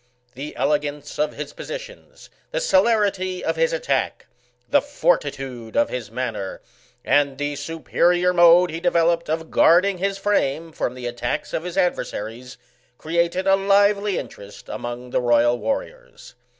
The eleo^ance of his positions, the celerity of his attack^ the fortitude of his manner, and the su perior mode he developed of guarding his frame from the attacks of his adversaries, created a lively interest among the royal warriors.